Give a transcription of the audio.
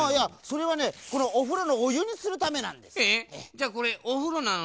じゃあこれおふろなの？